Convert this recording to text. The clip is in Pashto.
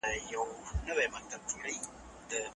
حکومت د ګاونډیانو له خوا د تحمیلي شرایطو منلو ته تیار نه دی.